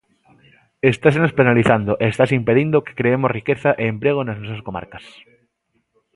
Estásenos penalizando e estase impedindo que creemos riqueza e emprego nas nosas comarcas.